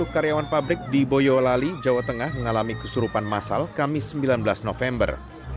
sepuluh karyawan pabrik di boyolali jawa tengah mengalami kesurupan masal kamis sembilan belas november